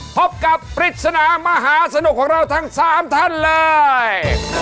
พบกับปริศนามหาสนุกของเราทั้ง๓ท่านเลย